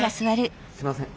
すいません。